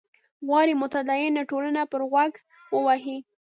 غواړي متدینه ټولنه پر غوږ ووهي.